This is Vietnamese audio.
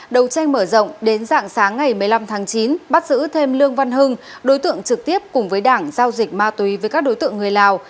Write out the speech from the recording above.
đầu tranh mở rộng đến dạng sáng ngày một mươi năm tháng chín bắt giữ thêm lương văn hưng đối tượng trực tiếp cùng với đảng giao dịch ma túy với các đối tượng người lào